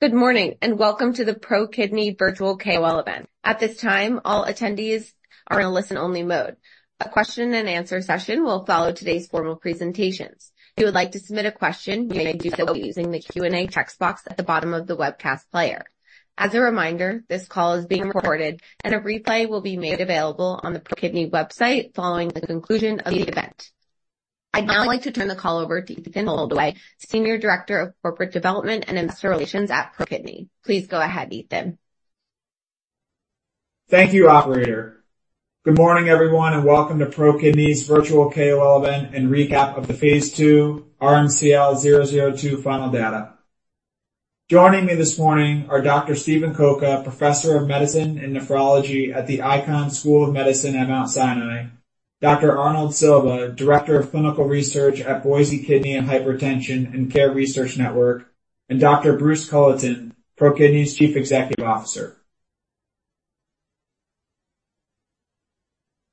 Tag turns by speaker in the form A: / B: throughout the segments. A: Good morning, and welcome to the ProKidney Virtual KOL Event. At this time, all attendees are in a listen-only mode. A question and answer session will follow today's formal presentations. If you would like to submit a question, you may do so using the Q&A text box at the bottom of the webcast player. As a reminder, this call is being recorded, and a replay will be made available on the ProKidney website following the conclusion of the event. I'd now like to turn the call over to Ethan Holdaway, Senior Director of Corporate Development and Investor Relations at ProKidney. Please go ahead, Ethan.
B: Thank you, operator. Good morning, everyone, and welcome to ProKidney's Virtual KOL Event and recap of the phase II RMCL-002 final data. Joining me this morning are Dr. Steven Coca, Professor of Medicine and Nephrology at the Icahn School of Medicine at Mount Sinai, Dr. Arnold Silva, Director of Clinical Research at Boise Kidney and Hypertension Institute and CARE Research Network, and Dr. Bruce Culleton, ProKidney's Chief Executive Officer.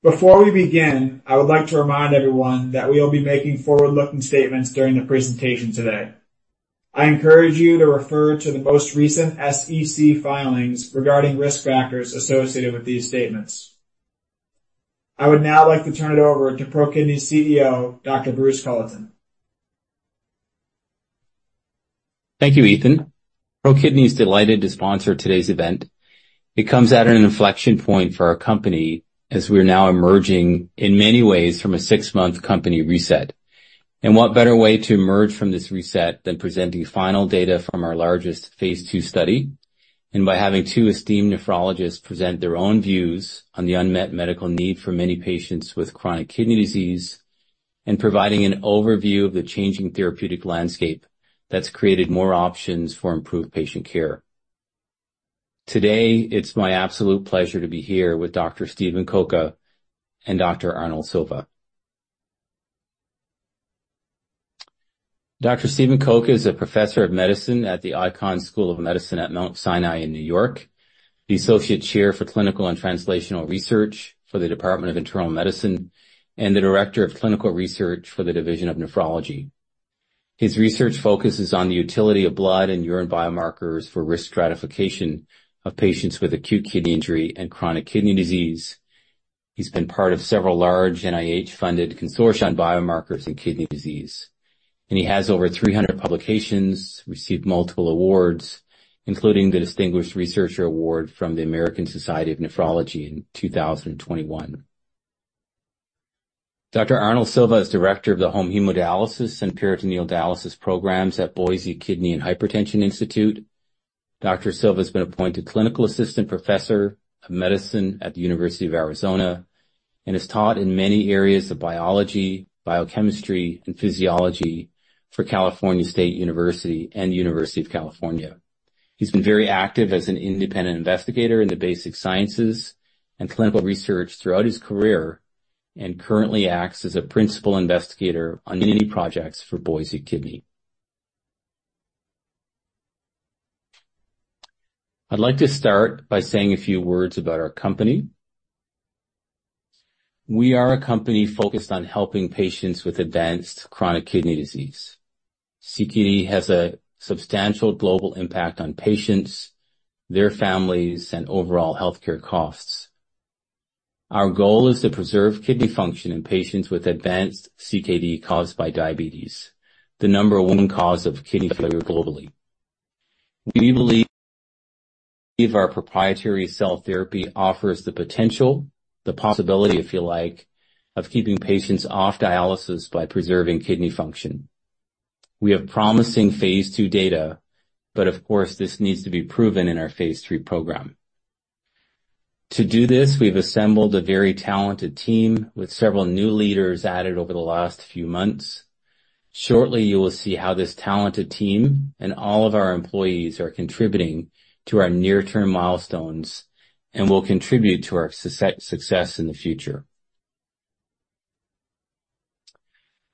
B: Before we begin, I would like to remind everyone that we will be making forward-looking statements during the presentation today. I encourage you to refer to the most recent SEC filings regarding risk factors associated with these statements. I would now like to turn it over to ProKidney's CEO, Dr. Bruce Culleton.
C: Thank you, Ethan. ProKidney is delighted to sponsor today's event. It comes at an inflection point for our company as we are now emerging, in many ways, from a six-month company reset. What better way to emerge from this reset than presenting final data from our phase II study? By having two esteemed nephrologists present their own views on the unmet medical need for many patients with chronic kidney disease, and providing an overview of the changing therapeutic landscape that's created more options for improved patient care. Today, it's my absolute pleasure to be here with Dr. Steven Coca and Dr. Arnold Silva. Dr. Steven Coca is a Professor of Medicine at the Icahn School of Medicine at Mount Sinai in New York, the Associate Chair for Clinical and Translational Research for the Department of Internal Medicine, and the Director of Clinical Research for the Division of Nephrology. His research focuses on the utility of blood and urine biomarkers for risk stratification of patients with acute kidney injury and chronic kidney disease. He's been part of several large NIH-funded consortia on biomarkers and kidney disease, and he has over 300 publications, received multiple awards, including the Distinguished Researcher Award from the American Society of Nephrology in 2021. Dr. Arnold Silva is Director of the Home Hemodialysis and Peritoneal Dialysis programs at Boise Kidney and Hypertension Institute. Dr. Silva has been appointed Clinical Assistant Professor of Medicine at the University of Arizona and has taught in many areas of biology, biochemistry, and physiology for California State University and University of California. He's been very active as an independent investigator in the basic sciences and clinical research throughout his career and currently acts as a principal investigator on many projects for Boise Kidney. I'd like to start by saying a few words about our company. We are a company focused on helping patients with advanced chronic kidney disease. CKD has a substantial global impact on patients, their families, and overall healthcare costs. Our goal is to preserve kidney function in patients with advanced CKD caused by diabetes, the number one cause of kidney failure globally. We believe our proprietary cell therapy offers the potential, the possibility, if you like, of keeping patients off dialysis by preserving kidney function. We have phase II data, but of course, this needs to be proven in our phase III program. to do this, we've assembled a very talented team with several new leaders added over the last few months. Shortly, you will see how this talented team and all of our employees are contributing to our near-term milestones and will contribute to our success in the future.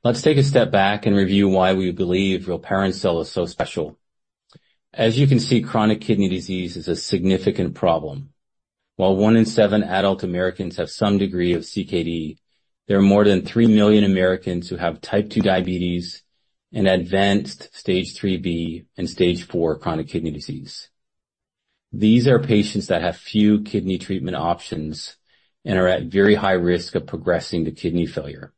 C: Let's take a step back and review why we believe rilparencel is so special. As you can see, chronic kidney disease is a significant problem. While one in seven adult Americans have some degree of CKD, there are more than 3 million Americans who have Type 2 diabetes and advanced Stage III-B and Stage IV chronic kidney disease. These are patients that have few kidney treatment options and are at very high risk of progressing to kidney failure.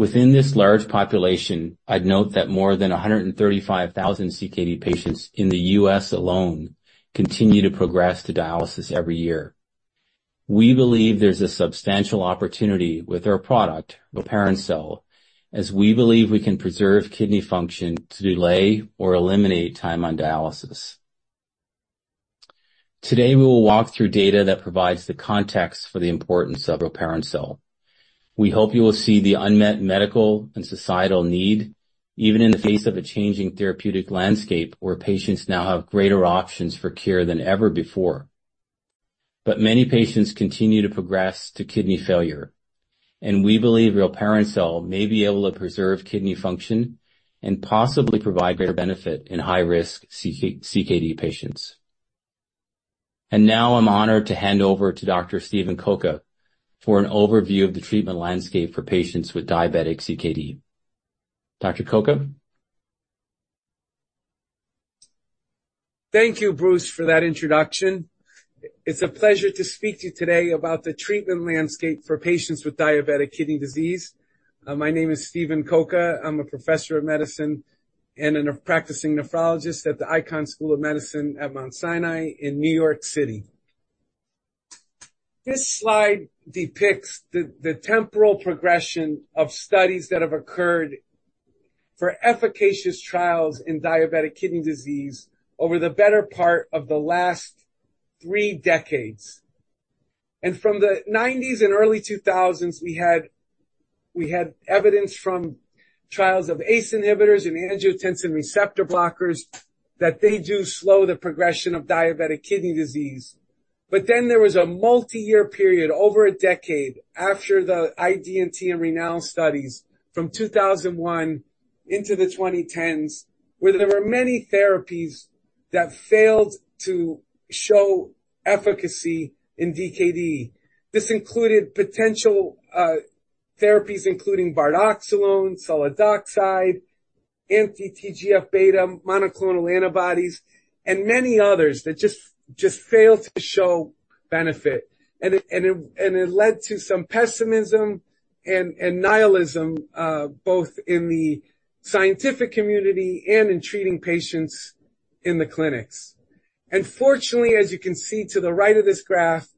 C: Within this large population, I'd note that more than 135,000 CKD patients in the U.S. alone continue to progress to dialysis every year. We believe there's a substantial opportunity with our product, rilparencel, as we believe we can preserve kidney function to delay or eliminate time on dialysis. Today, we will walk through data that provides the context for the importance of rilparencel. We hope you will see the unmet medical and societal need, even in the face of a changing therapeutic landscape, where patients now have greater options for cure than ever before. But many patients continue to progress to kidney failure, and we believe rilparencel may be able to preserve kidney function and possibly provide greater benefit in high-risk CKD patients. And now I'm honored to hand over to Dr. Steven Coca for an overview of the treatment landscape for patients with diabetic CKD. Dr. Coca?
D: Thank you, Bruce, for that introduction. It's a pleasure to speak to you today about the treatment landscape for patients with diabetic kidney disease. My name is Steven Coca. I'm a professor of medicine and a practicing nephrologist at the Icahn School of Medicine at Mount Sinai in New York City. This slide depicts the temporal progression of studies that have occurred for efficacious trials in diabetic kidney disease over the better part of the last three decades. From the 1990s and early 2000s, we had evidence from trials of ACE inhibitors and angiotensin receptor blockers, that they do slow the progression of diabetic kidney disease. But then there was a multi-year period, over a decade after the IDNT and RENAAL studies from 2001 into the 2010s, where there were many therapies that failed to show efficacy in DKD. This included potential therapies including bardoxolone, sulodexide, anti-TGF-beta, monoclonal antibodies, and many others that just failed to show benefit. And it led to some pessimism and nihilism both in the scientific community and in treating patients in the clinics. And fortunately, as you can see to the right of this graph,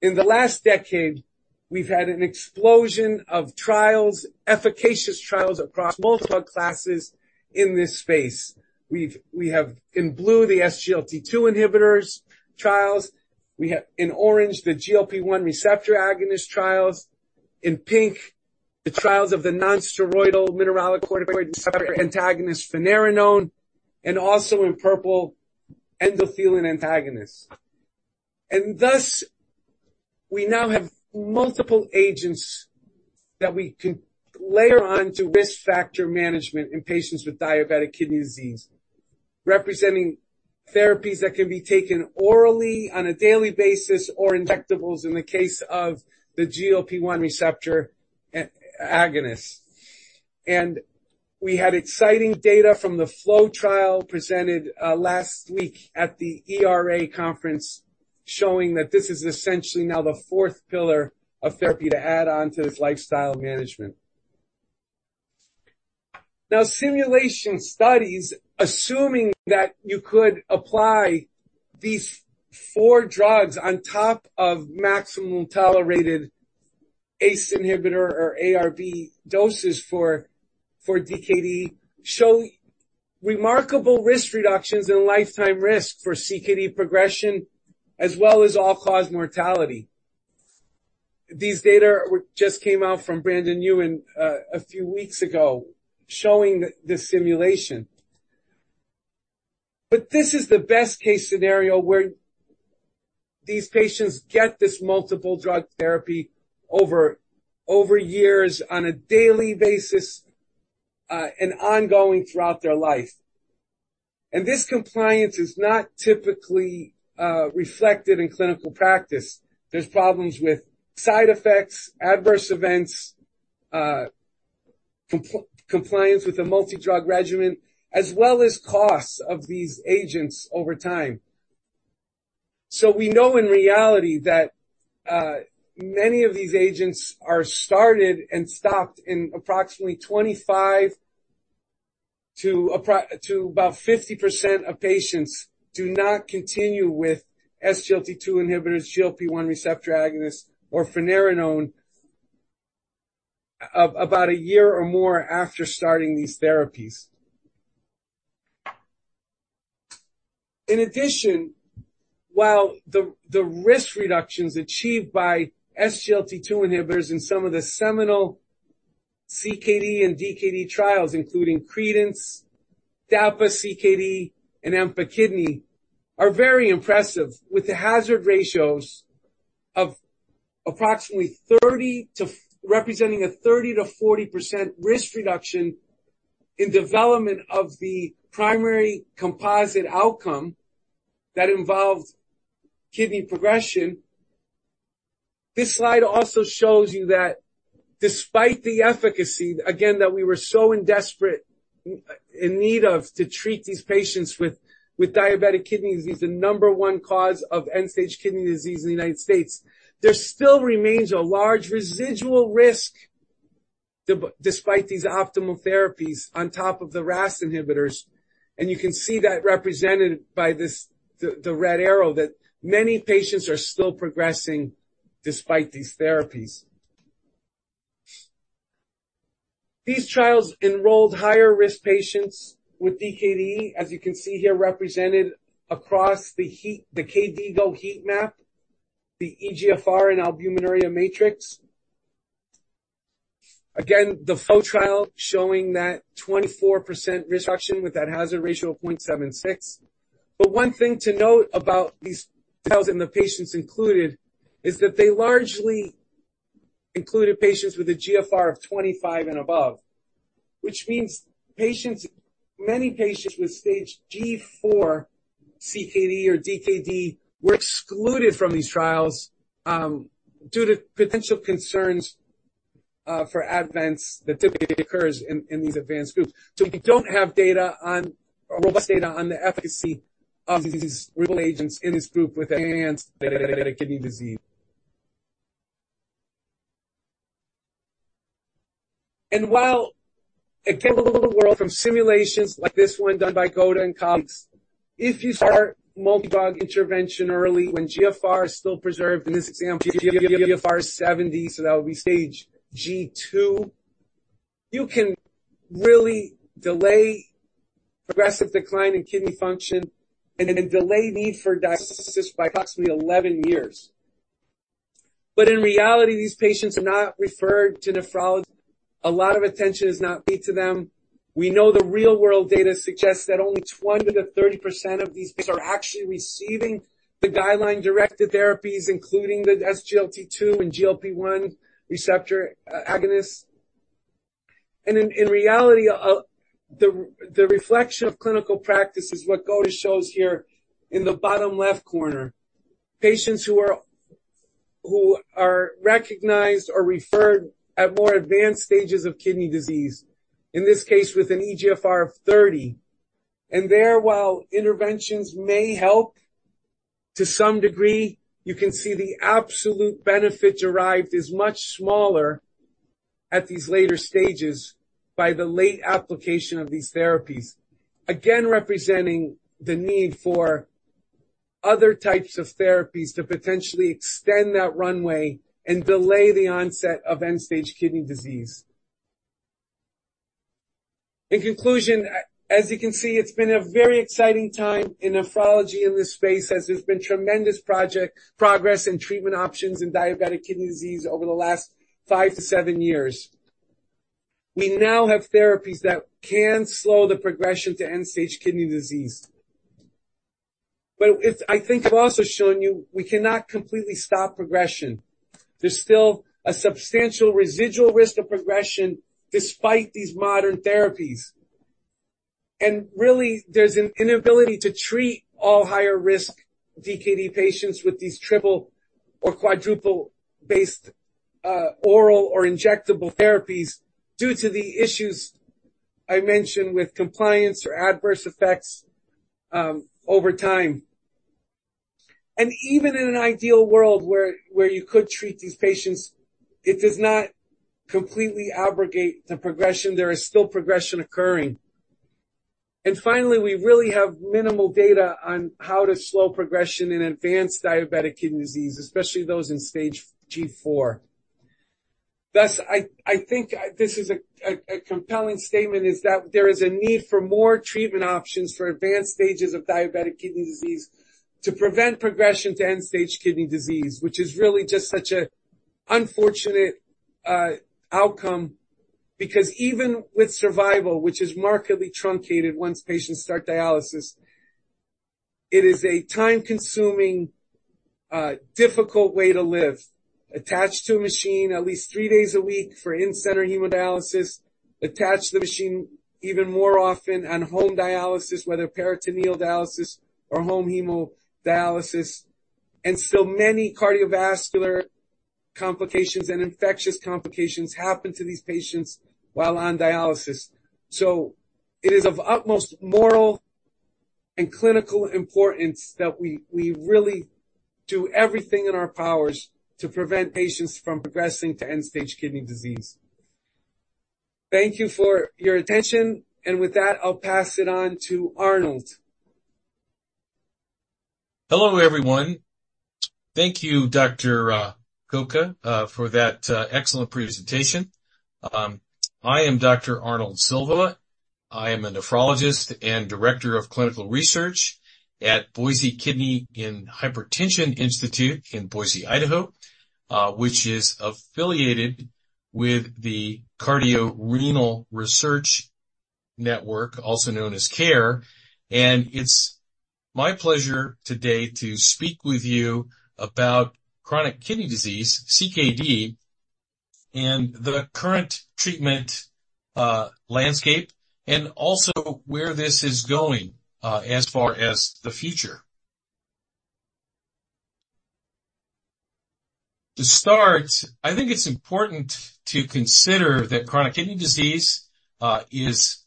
D: in the last decade, we've had an explosion of trials, efficacious trials across multiple classes in this space. We have in blue, the SGLT2 inhibitors trials. We have in orange the GLP-1 receptor agonist trials. In pink, the trials of the non-steroidal mineralocorticoid receptor antagonist, finerenone, and also in purple endothelin antagonists. Thus, we now have multiple agents that we can layer on to risk factor management in patients with diabetic kidney disease, representing therapies that can be taken orally on a daily basis, or injectables in the case of the GLP-1 receptor agonists. We had exciting data from the FLOW trial presented last week at the ERA conference, showing that this is essentially now the fourth pillar of therapy to add on to this lifestyle management. Now, simulation studies, assuming that you could apply these four drugs on top of maximum tolerated ACE inhibitor or ARB doses for DKD, show remarkable risk reductions in lifetime risk for CKD progression, as well as all-cause mortality. These data just came out from Brendon Neuen a few weeks ago showing the simulation. But this is the best-case scenario where these patients get this multiple drug therapy over years on a daily basis, and ongoing throughout their life. And this compliance is not typically reflected in clinical practice. There's problems with side effects, adverse events, compliance with a multi-drug regimen, as well as costs of these agents over time. So we know in reality that many of these agents are started and stopped in approximately 25% to about 50% of patients do not continue with SGLT2 inhibitors, GLP-1 receptor agonists, or finerenone, about a year or more after starting these therapies. In addition, while the risk reductions achieved by SGLT2 inhibitors in some of the seminal CKD and DKD trials, including CREDENCE, DAPA-CKD, and EMPA-KIDNEY, are very impressive, with the hazard ratios of approximately 30 to—representing a 30%-40% risk reduction in development of the primary composite outcome that involved kidney progression. This slide also shows you that despite the efficacy, again, that we were so in desperate, in need of to treat these patients with, with diabetic kidney disease, the number one cause of end-stage kidney disease in the United States, there still remains a large residual risk despite these optimal therapies on top of the RAS inhibitors, and you can see that represented by this, the, the red arrow, that many patients are still progressing despite these therapies. These trials enrolled higher-risk patients with DKD, as you can see here, represented across the heat map, the KDIGO heat map, the eGFR and albuminuria matrix. Again, the FLOW trial showing that 24% risk reduction with that hazard ratio of 0.76. But one thing to note about these trials and the patients included is that they largely included patients with a GFR of 25 and above, which means patients—many patients with Stage G4 CKD or DKD were excluded from these trials, due to potential concerns, for events that typically occurs in, in these advanced groups. So we don't have data on, or robust data on the efficacy of these renal agents in this group with advanced diabetic kidney disease. While it gave a little world from simulations like this one done by Go and colleagues, if you start multidrug intervention early when GFR is still preserved, in this example, GFR 70, so that would be Stage G2, you can really delay progressive decline in kidney function and delay need for dialysis by approximately 11 years. But in reality, these patients are not referred to nephrology. A lot of attention is not paid to them. We know the real-world data suggests that only 20%-30% of these patients are actually receiving the guideline-directed therapies, including the SGLT2 and GLP-1 receptor agonist. And in reality, the reflection of clinical practice is what Go shows here in the bottom left corner. Patients who are recognized or referred at more advanced stages of kidney disease, in this case, with an eGFR of 30, and there, while interventions may help to some degree, you can see the absolute benefit derived is much smaller at these later stages by the late application of these therapies. Again, representing the need for other types of therapies to potentially extend that runway and delay the onset of end-stage kidney disease. In conclusion, as you can see, it's been a very exciting time in nephrology in this space, as there's been tremendous progress in treatment options in diabetic kidney disease over the last 5-7 years. We now have therapies that can slow the progression to end-stage kidney disease. But I think I've also shown you we cannot completely stop progression. There's still a substantial residual risk of progression despite these modern therapies, and really, there's an inability to treat all higher-risk DKD patients with these triple or quadruple-based oral or injectable therapies due to the issues I mentioned with compliance or adverse effects over time. Even in an ideal world where you could treat these patients, it does not completely abrogate the progression. There is still progression occurring. Finally, we really have minimal data on how to slow progression in advanced diabetic kidney disease, especially those in Stage G4. Thus, I think this is a compelling statement, is that there is a need for more treatment options for advanced stages of diabetic kidney disease to prevent progression to end-stage kidney disease, which is really just such an unfortunate outcome. Because even with survival, which is markedly truncated once patients start dialysis, it is a time-consuming, difficult way to live. Attached to a machine at least three days a week for in-center hemodialysis, attach the machine even more often on home dialysis, whether peritoneal dialysis or home hemodialysis, and still many cardiovascular complications and infectious complications happen to these patients while on dialysis. So it is of utmost moral and clinical importance that we, we really do everything in our powers to prevent patients from progressing to end-stage kidney disease. Thank you for your attention, and with that, I'll pass it on to Arnold.
E: Hello, everyone. Thank you, Dr. Coca, for that excellent presentation. I am Dr. Arnold Silva. I am a nephrologist and director of clinical research at Boise Kidney and Hypertension Institute in Boise, Idaho, which is affiliated with the Cardiorenal Research Network, also known as CARE, and it's my pleasure today to speak with you about chronic kidney disease, CKD, and the current treatment landscape, and also where this is going, as far as the future. To start, I think it's important to consider that chronic kidney disease is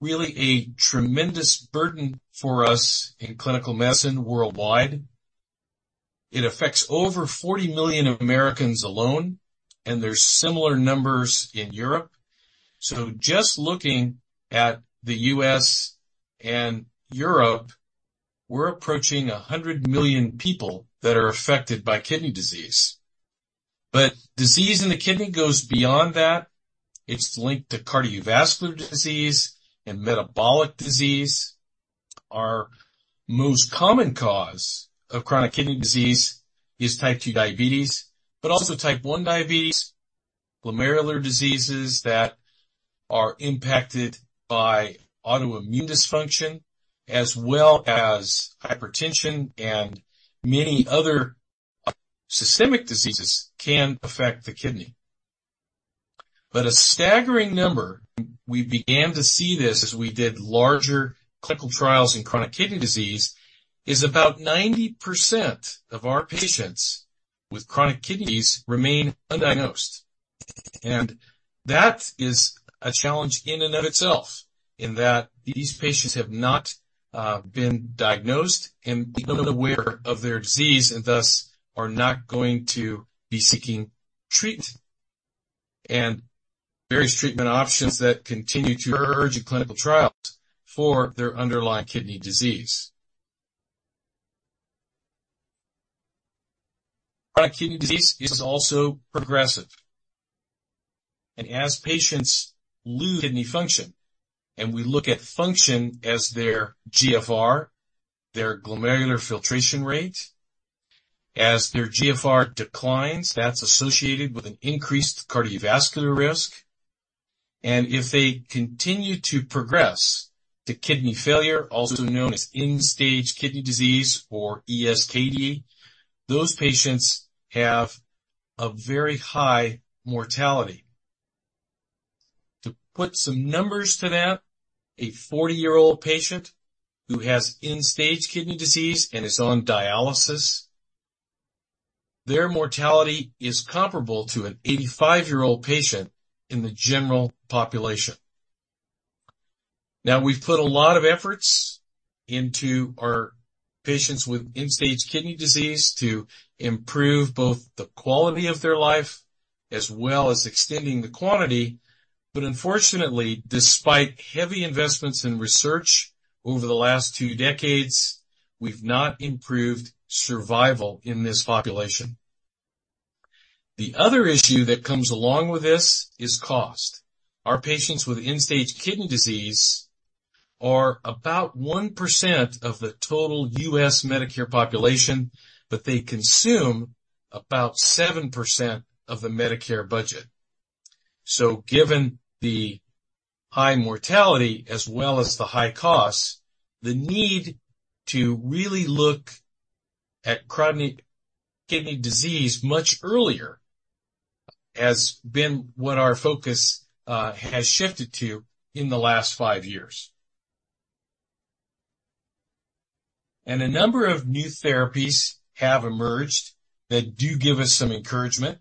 E: really a tremendous burden for us in clinical medicine worldwide. It affects over 40 million Americans alone, and there's similar numbers in Europe. So just looking at the U.S. and Europe, we're approaching 100 million people that are affected by kidney disease. But disease in the kidney goes beyond that. It's linked to cardiovascular disease and metabolic disease. Our most common cause of chronic kidney disease is Type 2 diabetes, but also Type 1 diabetes, glomerular diseases that are impacted by autoimmune dysfunction, as well as hypertension, and many other systemic diseases can affect the kidney. But a staggering number, we began to see this as we did larger clinical trials in chronic kidney disease, is about 90% of our patients with chronic kidneys remain undiagnosed. And that is a challenge in and of itself, in that these patients have not been diagnosed and unaware of their disease and thus are not going to be seeking treatment and various treatment options that continue to urge clinical trials for their underlying kidney disease. Chronic kidney disease is also progressive, and as patients lose kidney function, and we look at function as their GFR, their glomerular filtration rate. As their GFR declines, that's associated with an increased cardiovascular risk, and if they continue to progress to kidney failure, also known as end-stage kidney disease or ESKD, those patients have a very high mortality. To put some numbers to that, a 40-year-old patient who has end-stage kidney disease and is on dialysis, their mortality is comparable to an 85-year-old patient in the general population. Now, we've put a lot of efforts into our patients with end-stage kidney disease to improve both the quality of their life as well as extending the quantity. But unfortunately, despite heavy investments in research over the last two decades, we've not improved survival in this population. The other issue that comes along with this is cost. Our patients with end-stage kidney disease are about 1% of the total U.S. Medicare population, but they consume about 7% of the Medicare budget. So given the high mortality as well as the high costs, the need to really look at chronic kidney disease much earlier has been what our focus has shifted to in the last five years. A number of new therapies have emerged that do give us some encouragement.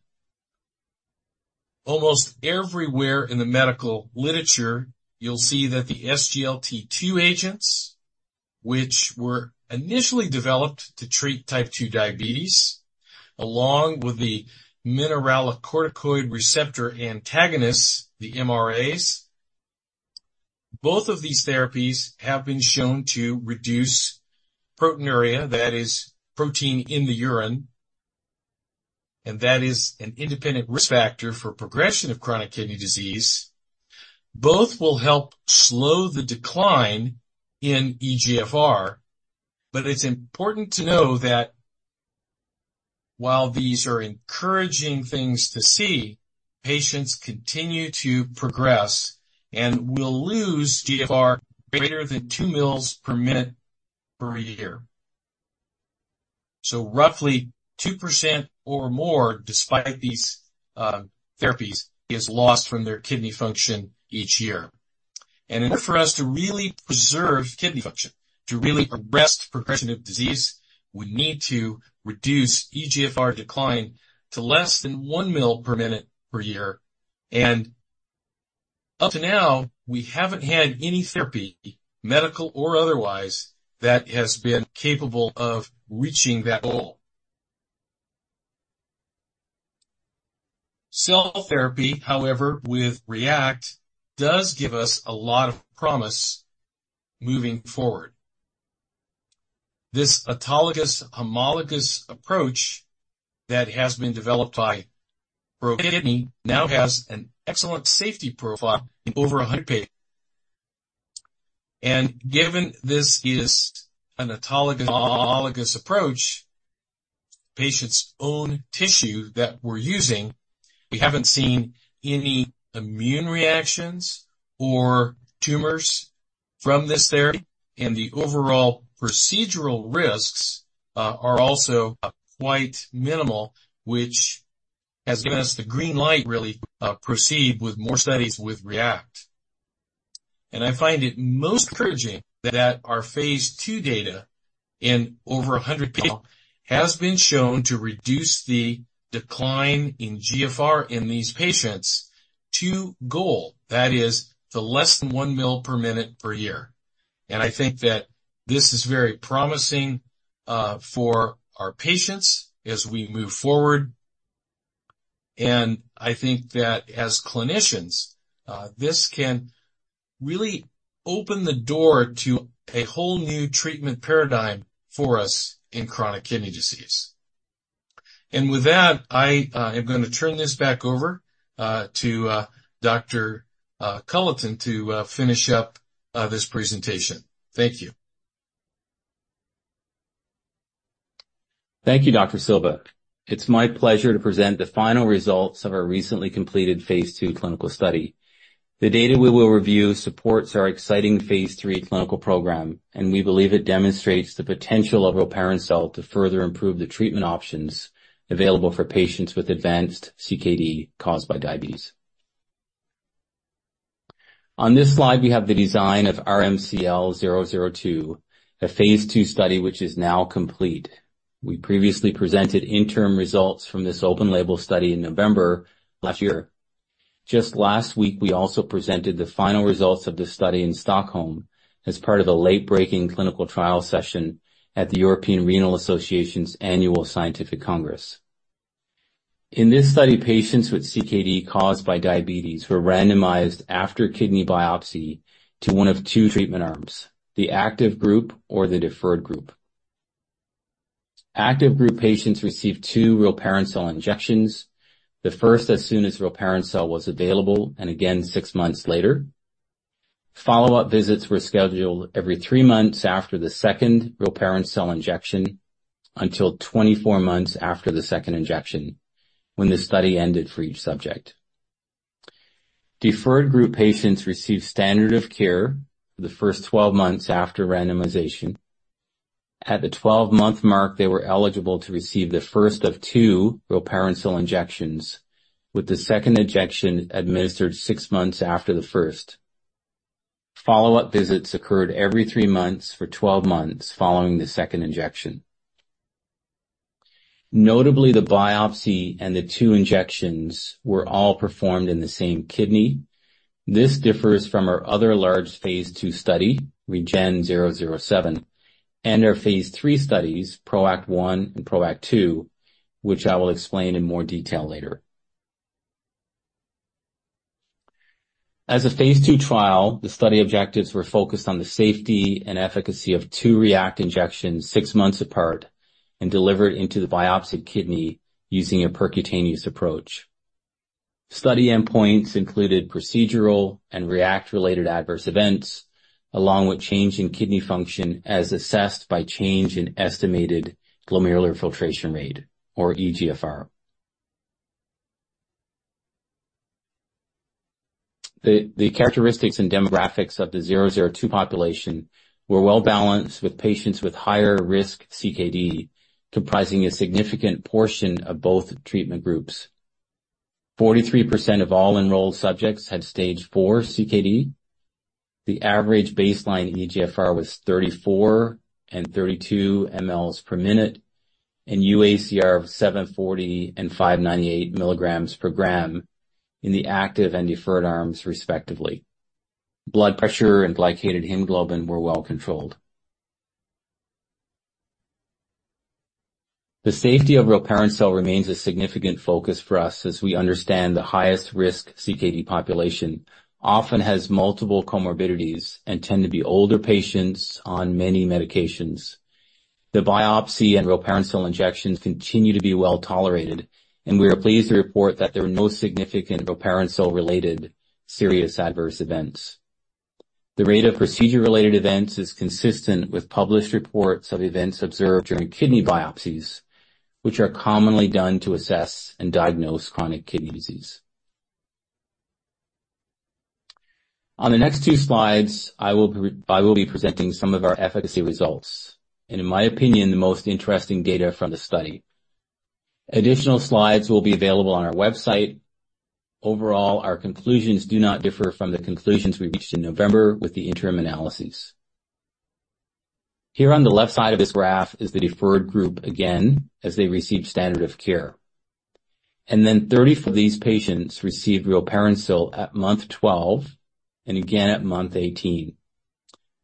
E: Almost everywhere in the medical literature, you'll see that the SGLT2 agents, which were initially developed to treat Type 2 diabetes, along with the mineralocorticoid receptor antagonists, the MRAs. Both of these therapies have been shown to reduce proteinuria, that is, protein in the urine, and that is an independent risk factor for progression of chronic kidney disease. Both will help slow the decline in eGFR, but it's important to know that while these are encouraging things to see, patients continue to progress and will lose GFR greater than 2 ml/min/year. Roughly 2% or more, despite these therapies, is lost from their kidney function each year. In order for us to really preserve kidney function, to really arrest progression of disease, we need to reduce eGFR decline to less than 1 mL/min/year. Up to now, we haven't had any therapy, medical or otherwise, that has been capable of reaching that goal. Cell therapy, however, with REACT, does give us a lot of promise moving forward. This autologous, homologous approach that has been developed by ProKidney now has an excellent safety profile in over 100 patients. And given this is an autologous, homologous approach, patient's own tissue that we're using, we haven't seen any immune reactions or tumors from this therapy, and the overall procedural risks are also quite minimal, which has given us the green light, really, to proceed with more studies with REACT. And I find it most encouraging that phase II data in over 100 people has been shown to reduce the decline in GFR in these patients to goal, that is, to less than 1 ml per minute per year. And I think that this is very promising for our patients as we move forward. And I think that as clinicians, this can really open the door to a whole new treatment paradigm for us in chronic kidney disease. And with that, I am gonna turn this back over to Dr. Culleton to finish up this presentation. Thank you.
C: Thank you, Dr. Silva. It's my pleasure to present the final results of our recently phase II clinical study. The data we will review phase III clinical program, and we believe it demonstrates the potential of rilparencel to further improve the treatment options available for patients with advanced CKD caused by diabetes. On this slide, we have the design of RMCL-002, phase II study, which is now complete. We previously presented interim results from this open-label study in November last year. Just last week, we also presented the final results of this study in Stockholm as part of the late-breaking clinical trial session at the European Renal Association's Annual Scientific Congress. In this study, patients with CKD caused by diabetes were randomized after kidney biopsy to one of two treatment arms, the active group or the deferred group. Active group patients received two rilparencel injections, the first as soon as rilparencel was available, and again 6 months later. Follow-up visits were scheduled every 3 months after the second rilparencel injection, until 24 months after the second injection, when the study ended for each subject. Deferred group patients received standard of care for the first 12 months after randomization. At the 12-month mark, they were eligible to receive the first of two rilparencel injections, with the second injection administered 6 months after the first. Follow-up visits occurred every 3 months for 12 months following the second injection. Notably, the biopsy and the two injections were all performed in the same kidney. This differs from our other large phase II study, which ends 007, and our phase III studies, PROACT 1 and PROACT 2, which I will explain in more detail later. As phase II trial, the study objectives were focused on the safety and efficacy of two REACT injections 6 months apart and delivered into the biopsied kidney using a percutaneous approach. Study endpoints included procedural and REACT-related adverse events, along with change in kidney function, as assessed by change in estimated glomerular filtration rate, or eGFR. The characteristics and demographics of the RMCL-002 population were well-balanced, with patients with higher risk CKD comprising a significant portion of both treatment groups. 43% of all enrolled subjects had Stage IV CKD. The average baseline eGFR was 34 and 32 ml/min, and UACR of 740 and 5.98 mg/g in the active and deferred arms, respectively. Blood pressure and glycated hemoglobin were well controlled. The safety of rilparencel remains a significant focus for us, as we understand the highest risk CKD population often has multiple comorbidities and tend to be older patients on many medications. The biopsy and rilparencel injections continue to be well tolerated, and we are pleased to report that there are no significant rilparencel-related serious adverse events. The rate of procedure-related events is consistent with published reports of events observed during kidney biopsies, which are commonly done to assess and diagnose chronic kidney disease. On the next two slides, I will be presenting some of our efficacy results and in my opinion, the most interesting data from the study. Additional slides will be available on our website. Overall, our conclusions do not differ from the conclusions we reached in November with the interim analysis. Here on the left side of this graph is the deferred group again, as they received standard of care. Then 30 of these patients received rilparencel at month 12 and again at month 18.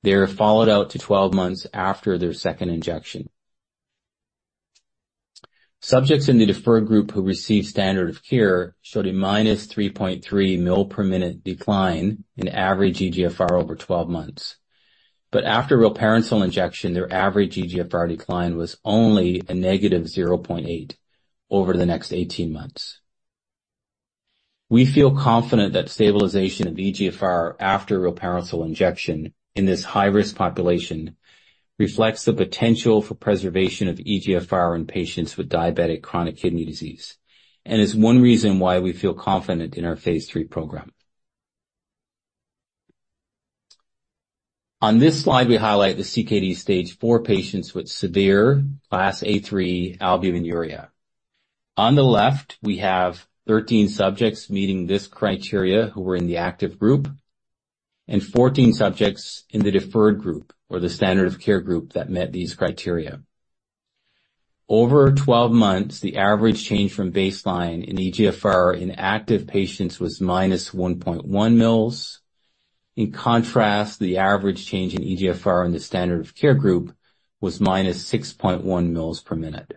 C: They are followed out to 12 months after their second injection. Subjects in the deferred group who received standard of care showed a -3.3 ml/min decline in average eGFR over 12 months. After rilparencel injection, their average eGFR decline was only a -0.8 over the next 18 months. We feel confident that stabilization of eGFR after rilparencel injection in this high-risk population reflects the potential for preservation of eGFR in patients with diabetic chronic kidney disease and is one reason why we feel phase III program. on this slide, we highlight the CKD Stage IV patients with severe Class A3 albuminuria. On the left, we have 13 subjects meeting this criteria who were in the active group and 14 subjects in the deferred group or the standard of care group that met these criteria. Over 12 months, the average change from baseline in eGFR in active patients was -1.1 ml. In contrast, the average change in eGFR in the standard of care group was -6.1 ml/min.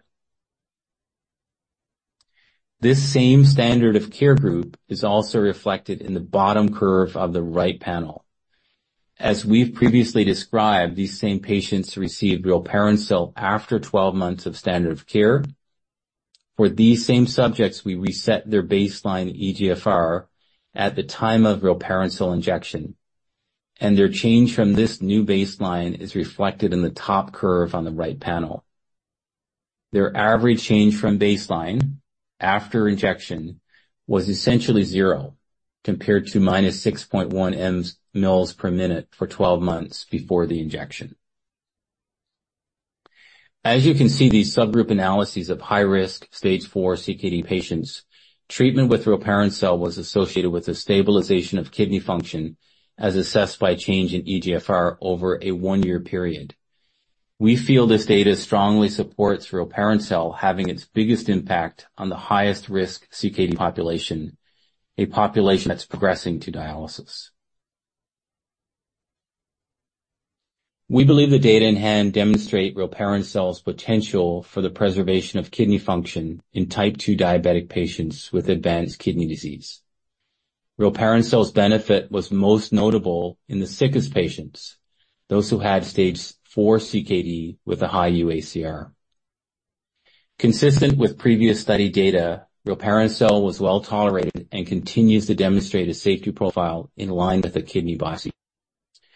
C: This same standard of care group is also reflected in the bottom curve of the right panel. As we've previously described, these same patients received rilparencel after 12 months of standard of care. For these same subjects, we reset their baseline eGFR at the time of rilparencel injection, and their change from this new baseline is reflected in the top curve on the right panel. Their average change from baseline after injection was essentially zero, compared to -6.1 ml/min for 12 months before the injection. As you can see, these subgroup analyses of high-risk Stage IV CKD patients, treatment with rilparencel was associated with a stabilization of kidney function, as assessed by change in eGFR over a 1-year period. We feel this data strongly supports rilparencel having its biggest impact on the highest risk CKD population, a population that's progressing to dialysis. We believe the data in hand demonstrate rilparencel's potential for the preservation of kidney function in Type 2 diabetic patients with advanced kidney disease. Rilparencel's benefit was most notable in the sickest patients, those who had Stage IV CKD with a high UACR. Consistent with previous study data, rilparencel was well-tolerated and continues to demonstrate a safety profile in line with the kidney biopsy.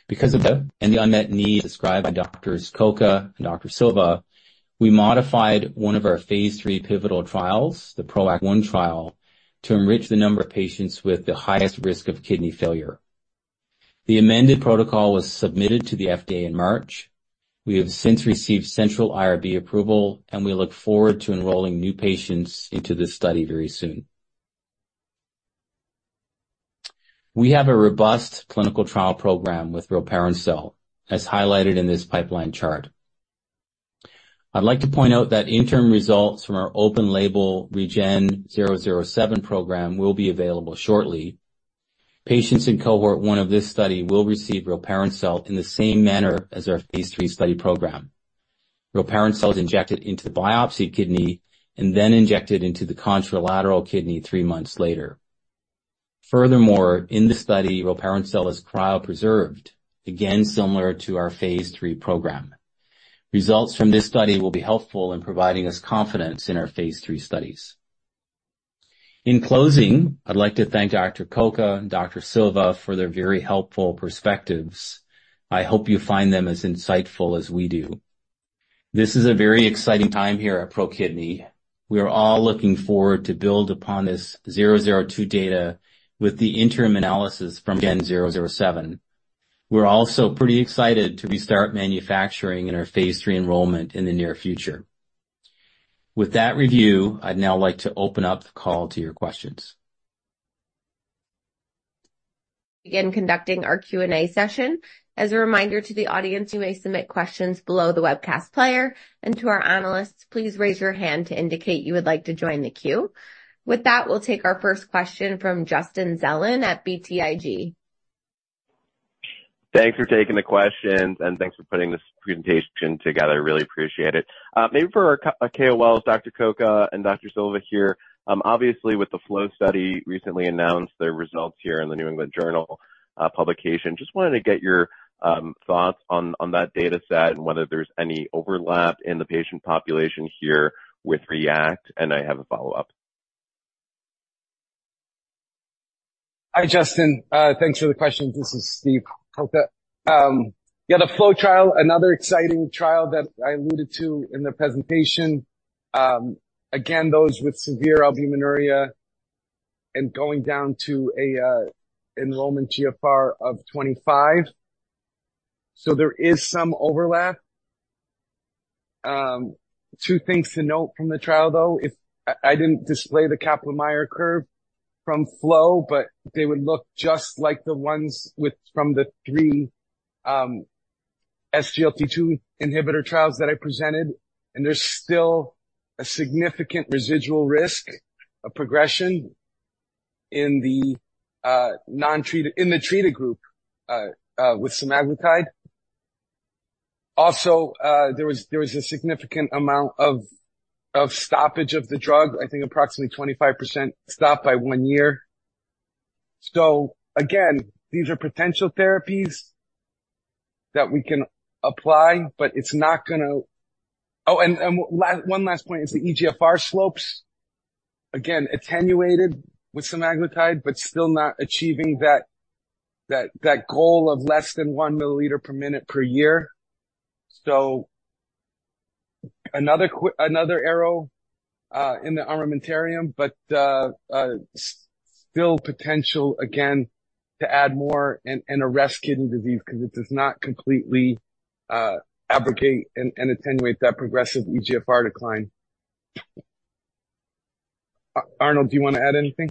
C: Because of the unmet need described by Doctors Coca and Dr. Silva, we modified phase III pivotal trials, the PROACT 1 trial, to enrich the number of patients with the highest risk of kidney failure. The amended protocol was submitted to the FDA in March. We have since received central IRB approval, and we look forward to enrolling new patients into this study very soon. We have a robust clinical trial program with rilparencel, as highlighted in this pipeline chart. I'd like to point out that interim results from our open-label REGEN-007 program will be available shortly. Patients in Cohort 1 of this study will receive rilparencel in the same phase III study program. rilparencel is injected into the biopsied kidney and then injected into the contralateral kidney 3 months later. Furthermore, in the study, rilparencel is cryopreserved, again, somewhere to our phase III program. results from this study will be helpful in providing us confidence in our phase III studies. In closing, I'd like to thank Dr. Coca and Dr. Silva for their very helpful perspectives. I hope you find them as insightful as we do. This is a very exciting time here at ProKidney. We are all looking forward to build upon this RMCL-002 data with the interim analysis from again, REGEN-007. We're also pretty excited to restart phase III enrollment in the near future. With that review, I'd now like to open up the call to your questions.
A: Begin conducting our Q&A session. As a reminder to the audience, you may submit questions below the webcast player, and to our analysts, please raise your hand to indicate you would like to join the queue. With that, we'll take our first question from Justin Zelin at BTIG.
F: Thanks for taking the questions, and thanks for putting this presentation together. I really appreciate it. Maybe for our KOLs, Dr. Coca and Dr. Silva here. Obviously, with the FLOW study recently announced their results here in the New England Journal, publication, just wanted to get your thoughts on, on that data set and whether there's any overlap in the patient population here with REACT. And I have a follow-up.
D: Hi, Justin. Thanks for the question. This is Steve Coca. Yeah, the FLOW trial, another exciting trial that I alluded to in the presentation. Again, those with severe albuminuria and going down to a enrollment GFR of 25, so there is some overlap. Two things to note from the trial, though, if... I, I didn't display the Kaplan-Meier curve from FLOW, but they would look just like the ones with, from the three, SGLT2 inhibitor trials that I presented, and there's still a significant residual risk of progression in the, non-treated, in the treated group, with semaglutide. Also, there was, there was a significant amount of, of stoppage of the drug. I think approximately 25% stopped by one year. So again, these are potential therapies that we can apply, but it's not gonna... Oh, and one last point is the eGFR slopes, again, attenuated with semaglutide, but still not achieving that goal of less than 1 ml per minute per year. So another arrow in the armamentarium, but still potential, again, to add more and arrest kidney disease because it does not completely abate and attenuate that progressive eGFR decline. Arnold, do you want to add anything?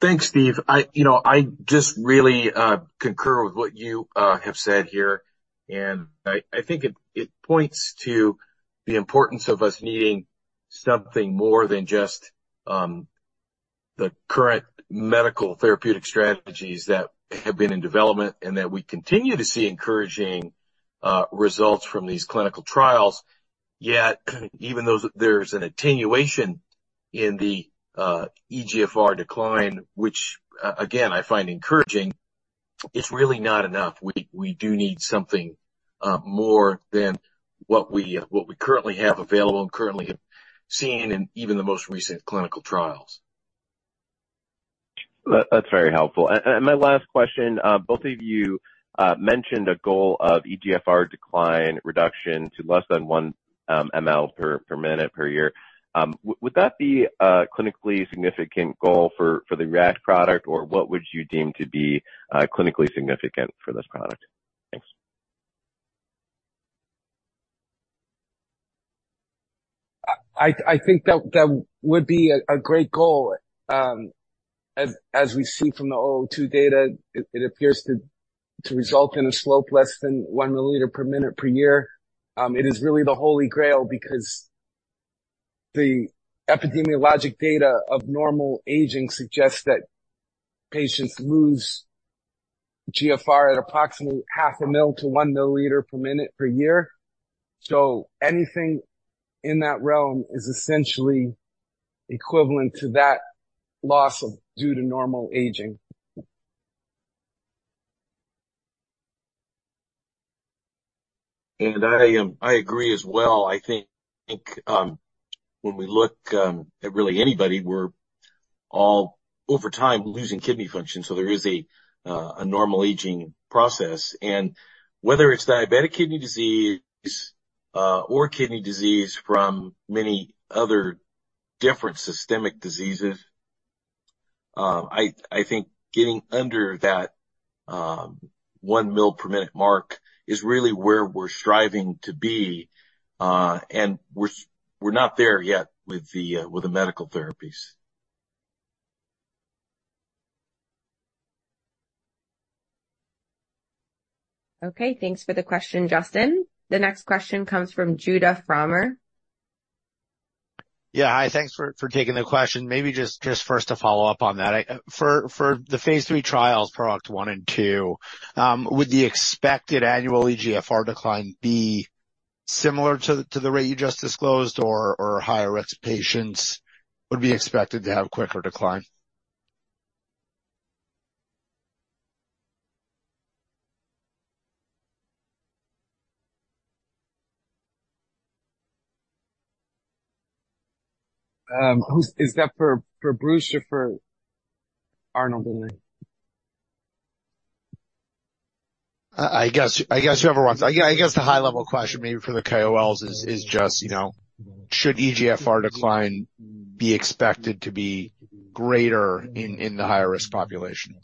E: Thanks, Steve. I, you know, I just really concur with what you have said here, and I, I think it, it points to the importance of us needing something more than just the current medical therapeutic strategies that have beenin development, and that we continue to see encouraging results from these clinical trials. Yet, even though there's an attenuation in the eGFR decline, which again, I find encouraging. It's really not enough. We, we do need something more than what we, what we currently have available and currently have seen in even the most recent clinical trials.
F: That's very helpful. And my last question, both of you mentioned a goal of eGFR decline reduction to less than 1 ml per minute per year. Would that be a clinically significant goal for the REACT product? Or what would you deem to be clinically significant for this product? Thanks.
D: I think that would be a great goal. As we see from the RMCL-002 data, it appears to result in a slope less than 1 ml per minute per year. It is really the Holy Grail because the epidemiologic data of normal aging suggests that patients lose GFR at approximately 1/2 mil to 1 ml per minute per year. So anything in that realm is essentially equivalent to that loss due to normal aging.
E: I, I agree as well. I think, when we look, at really anybody, we're all over time losing kidney function, so there is a normal aging process. And whether it's diabetic kidney disease, or kidney disease from many other different systemic diseases, I, I think getting under that, 1 ml per minute mark is really where we're striving to be. And we're, we're not there yet with the, with the medical therapies.
A: Okay, thanks for the question, Justin. The next question comes from Judah Frommer.
G: Yeah, hi. Thanks for taking the question. Maybe just first to follow up on phase III trials, PROACT 1 and 2, would the expected annual eGFR decline be similar to the rate you just disclosed, or higher-risk patients would be expected to have quicker decline?
D: Who's that for, for Bruce or for Arnold?
G: I guess, I guess whoever wants... I guess the high level question, maybe for the KOLs is, is just, you know, should eGFR decline be expected to be greater in the higher-risk population?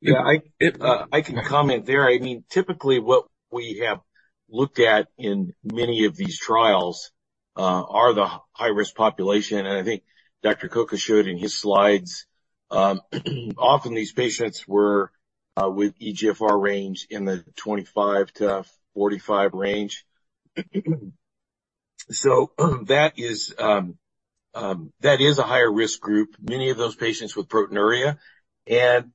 E: Yeah, I, I can comment there. I mean, typically what we have looked at in many of these trials, are the high-risk population, and I think Dr. Coca showed in his slides. Often these patients were, with eGFR range in the 25-45 range. So that is, that is a higher risk group. Many of those patients with proteinuria, and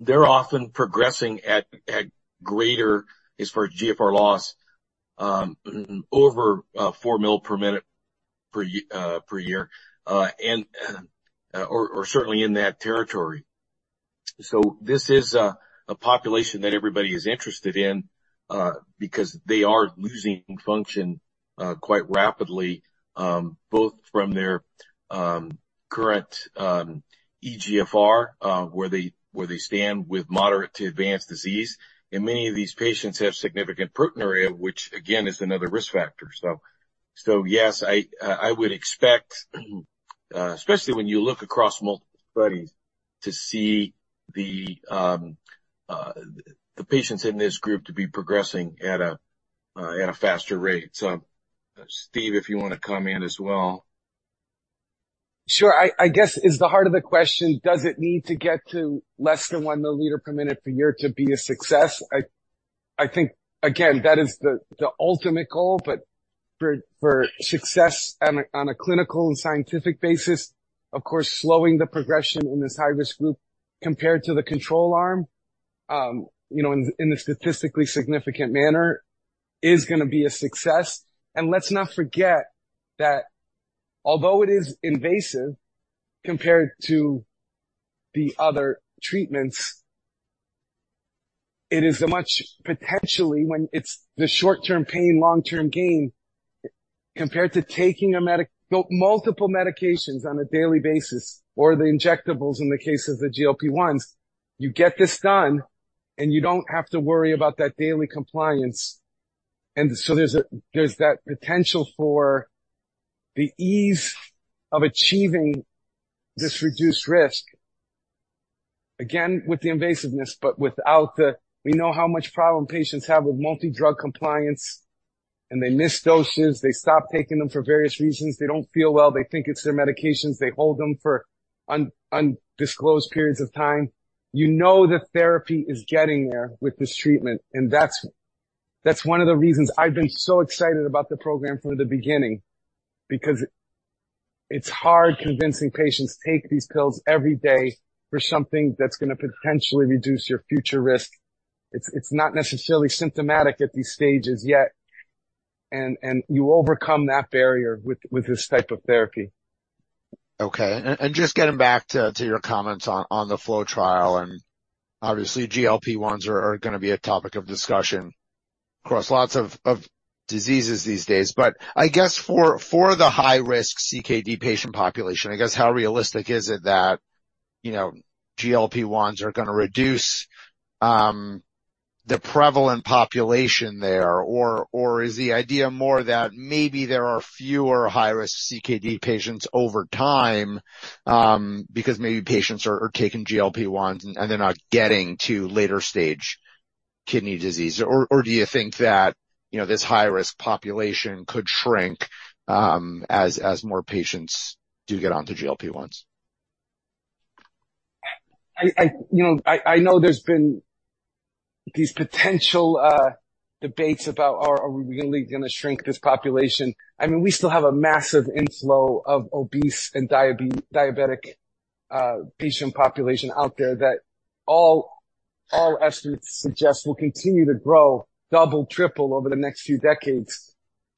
E: they're often progressing at, at greater, as far as GFR loss, over, 4 ml per minute, per year, and, or certainly in that territory. So this is a population that everybody is interested in, because they are losing function, quite rapidly, both from their, current, eGFR, where they stand with moderate to advanced disease. Many of these patients have significant proteinuria, which, again, is another risk factor. So, yes, I would expect, especially when you look across multiple studies, to see the patients in this group to be progressing at a faster rate. So, Steve, if you want to come in as well.
D: Sure. I guess is the heart of the question, does it need to get to less than 1 ml per minute per year to be a success? I think, again, that is the ultimate goal, but for success on a clinical and scientific basis, of course, slowing the progression in this high-risk group compared to the control arm, you know, in a statistically significant manner, is gonna be a success. And let's not forget that although it is invasive compared to the other treatments, it is a much potentially when it's the short-term pain, long-term gain, compared to taking multiple medications on a daily basis or the injectables in the case of the GLP-1s. You get this done, and you don't have to worry about that daily compliance. And so there's that potential for the ease of achieving this reduced risk. Again, with the invasiveness, but without the... We know how much problem patients have with multi-drug compliance, and they miss doses, they stop taking them for various reasons. They don't feel well. They think it's their medications. They hold them for undisclosed periods of time. You know, the therapy is getting there with this treatment, and that's, that's one of the reasons I've been so excited about the program from the beginning, because it's hard convincing patients to take these pills every day for something that's gonna potentially reduce your future risk. It's, it's not necessarily symptomatic at these stages yet.... And you overcome that barrier with this type of therapy.
G: Okay. And just getting back to your comments on the FLOW trial, and obviously, GLP-1s are gonna be a topic of discussion across lots of diseases these days. But I guess for the high-risk CKD patient population, I guess how realistic is it that, you know, GLP-1s are gonna reduce the prevalent population there? Or is the idea more that maybe there are fewer high-risk CKD patients over time, because maybe patients are taking GLP-1s and they're not getting to later-stage kidney disease? Or do you think that, you know, this high-risk population could shrink, as more patients do get onto GLP-1s?
D: You know, I know there's been these potential debates about, are we really gonna shrink this population? I mean, we still have a massive inflow of obese and diabetic patient population out there that all estimates suggest will continue to grow double, triple over the next few decades.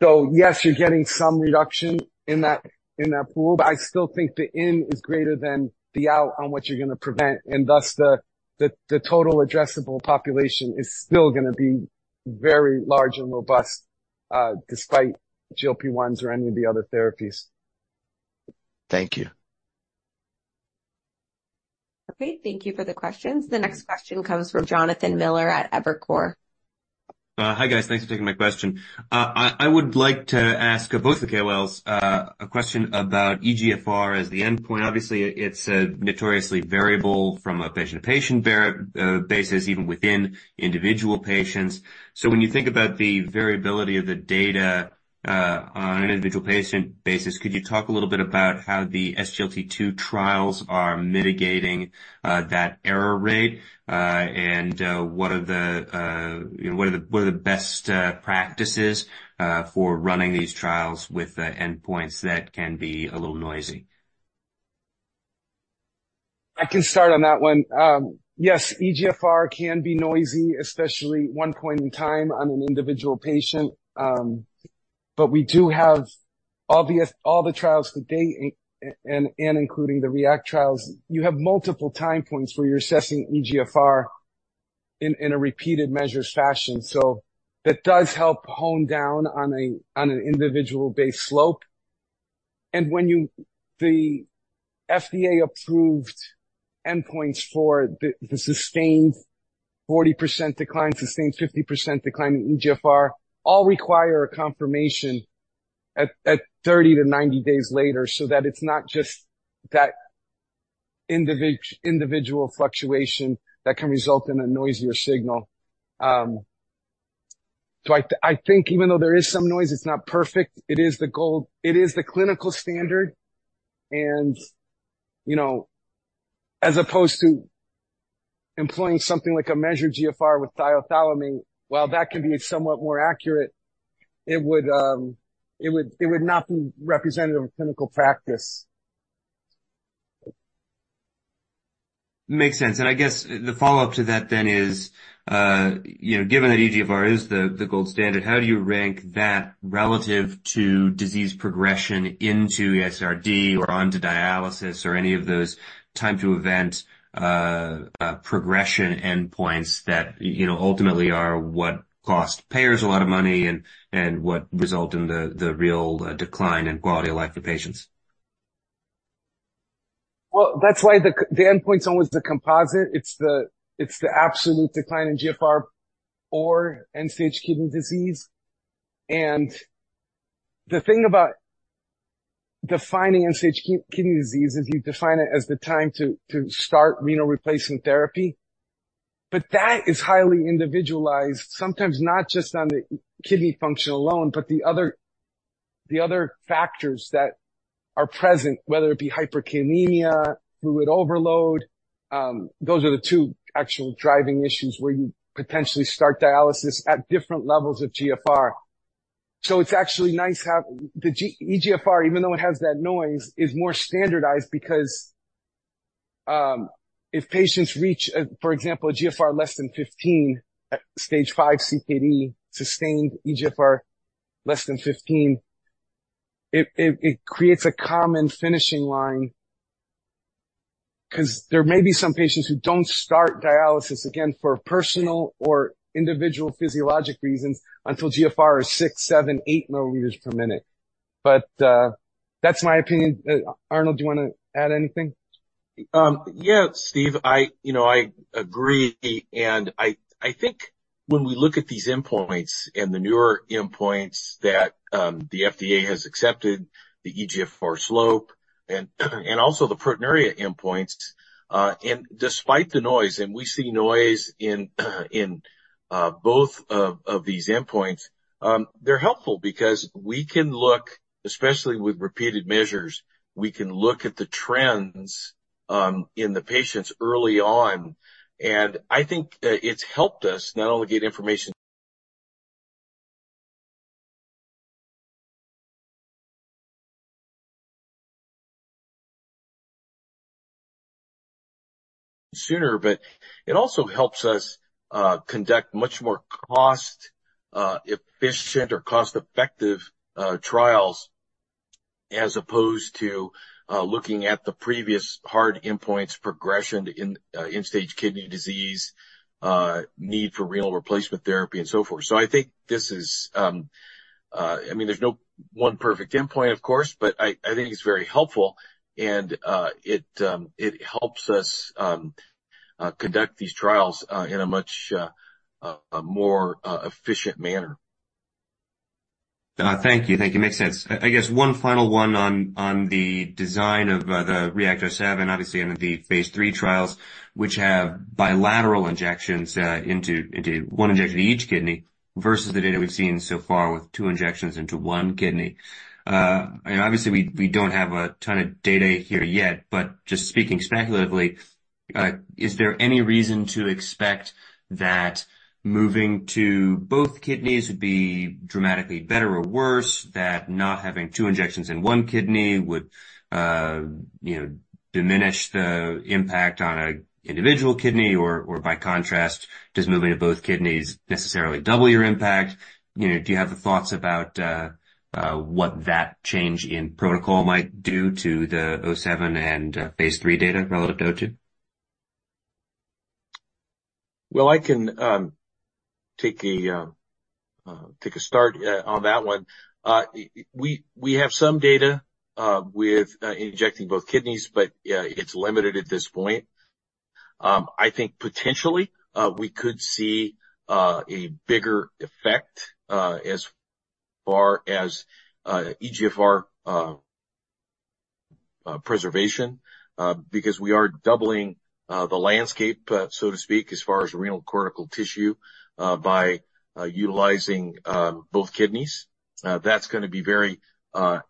D: So yes, you're getting some reduction in that pool, but I still think the in is greater than the out on what you're gonna prevent, and thus the total addressable population is still gonna be very large and robust despite GLP-1s or any of the other therapies.
G: Thank you.
A: Okay, thank you for the questions. The next question comes from Jonathan Miller at Evercore.
H: Hi, guys. Thanks for taking my question. I would like to ask both the KOLs a question about eGFR as the endpoint. Obviously, it's notoriously variable from a patient-to-patient basis, even within individual patients. So when you think about the variability of the data on an individual patient basis, could you talk a little bit about how the SGLT2 trials are mitigating that error rate? And what are the, you know, best practices for running these trials with the endpoints that can be a little noisy?
D: I can start on that one. Yes, eGFR can be noisy, especially one point in time on an individual patient. But we do have all the trials to date, including the REACT trials, you have multiple time points where you're assessing eGFR in a repeated measures fashion, so that does help hone down on an individual base slope. And the FDA-approved endpoints for the sustained 40% decline, sustained 50% decline in eGFR, all require a confirmation at 30-90 days later, so that it's not just that individual fluctuation that can result in a noisier signal. So I think even though there is some noise, it's not perfect, it is the clinical standard. You know, as opposed to employing something like a measured GFR with iothalamate, while that can be somewhat more accurate, it would not be representative of clinical practice.
H: Makes sense. I guess the follow-up to that then is, you know, given that eGFR is the, the gold standard, how do you rank that relative to disease progression into ESRD or onto dialysis or any of those time-to-event, progression endpoints that, you know, ultimately are what cost payers a lot of money and, and what result in the, the real, decline in quality of life for patients?
D: Well, that's why the endpoint's always the composite. It's the, it's the absolute decline in GFR or end-stage kidney disease. And the thing about defining end-stage kidney disease is you define it as the time to start renal replacement therapy. But that is highly individualized, sometimes not just on the kidney function alone, but the other factors that are present, whether it be hyperkalemia, fluid overload, those are the two actual driving issues where you potentially start dialysis at different levels of GFR. So it's actually nice to have the eGFR, even though it has that noise, is more standardized because, if patients reach, for example, a GFR less than 15 at Stage 5 CKD, sustained eGFR less than 15, it creates a common finishing line. 'Cause there may be some patients who don't start dialysis, again, for personal or individual physiologic reasons until GFR is 6, 7, 8 ml per minute. But, that's my opinion. Arnold, do you wanna add anything?
E: Yeah, Steve, I, you know, I think when we look at these endpoints and the newer endpoints that the FDA has accepted, the eGFR slope and also the proteinuria endpoints, and despite the noise, and we see noise in both of these endpoints, they're helpful because we can look, especially with repeated measures, we can look at the trends in the patients early on, and I think it's helped us not only get information- ...sooner, but it also helps us conduct much more cost efficient or cost-effective trials, as opposed to looking at the previous hard endpoints progression in end-stage kidney disease, need for renal replacement therapy, and so forth. So I think this is, I mean, there's no one perfect endpoint, of course, but I, I think it's very helpful, and it, it helps us conduct these trials in a much more efficient manner.
H: Thank you. Thank you. Makes sense. I guess one final one on the design of the REGEN-007, obviously, phase III trials, which have bilateral injections into one injection in each kidney, versus the data we've seen so far with two injections into one kidney. And obviously, we don't have a ton of data here yet, but just speaking speculatively, is there any reason to expect that moving to both kidneys would be dramatically better or worse? That not having two injections in one kidney would, you know, diminish the impact on an individual kidney, or by contrast, does moving to both kidneys necessarily double your impact? You know, do you have the thoughts about what that change in protocol might do to the phase III data relative to 02?
E: Well, I can take a start on that one. We have some data with injecting both kidneys, but it's limited at this point. I think potentially we could see a bigger effect as far as eGFR preservation because we are doubling the landscape so to speak as far as renal cortical tissue by utilizing both kidneys. That's gonna be very